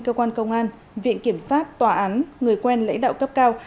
cơ quan công an viện kiểm sát tòa án người quen lãnh đạo cấp cao